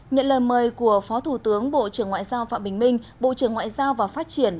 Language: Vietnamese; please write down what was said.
nhận lời mời của phó thủ tướng bộ trưởng ngoại giao phạm bình minh bộ trưởng ngoại giao và phát triển